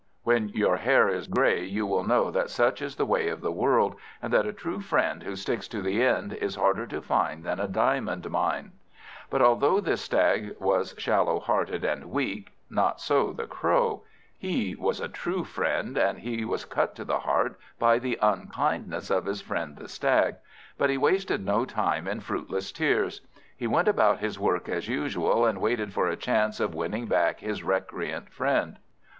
When your hair is grey you will know that such is the way of the world, and that a true friend who sticks to the end, is harder to find than a diamond mine. But although this Stag was shallow hearted and weak, not so the Crow. He was a true friend, and he was cut to the heart by the unkindness of his friend the Stag; but he wasted no time in fruitless tears. He went about his work as usual, and waited for a chance of winning back his recreant friend.